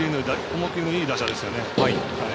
思い切りのいい打者です。